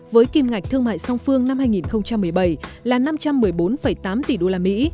với kìm ngạch thương mại song phương năm hai nghìn một mươi bảy là năm trăm một mươi bốn tám tỷ usd